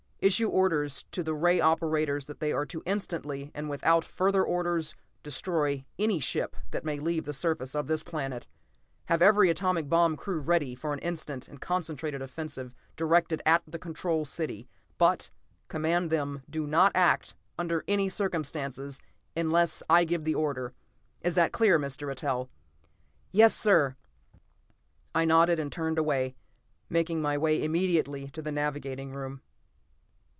Issue orders to the ray operators that they are to instantly, and without further orders, destroy any ship that may leave the surface of this planet. Have every atomic bomb crew ready for an instant and concentrated offensive directed at the Control City, but command them not to act under any circumstances unless I give the order. Is that clear, Mr. Eitel?" "Yes, sir!" I nodded, and turned away, making my way immediately to the navigating room.